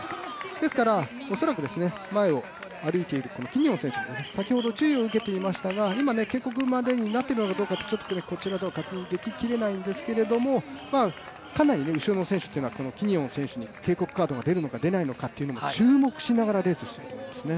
ですから恐らく、前を歩いているキニオン選手も先ほど注意を受けていましたが、今、警告までになっているのかちょっとこちらでは確認でききれないんですけれども、かなり後ろの選手というのはキニオン選手に警告カードが出るのか出ないのかということにもかなり注目しながらレースをしていると思いますね。